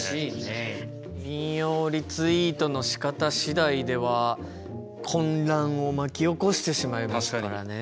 引用リツイートのしかた次第では混乱を巻き起こしてしまいますからね。